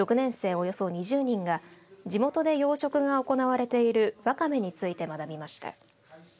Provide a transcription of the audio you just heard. およそ２０人が地元で養殖が行われているワカメについて学びました。